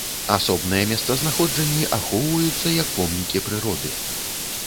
Асобныя месцазнаходжанні ахоўваюцца як помнікі прыроды.